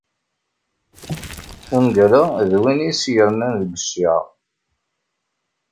Ungal-a d win i s-yernan deg cciɛa.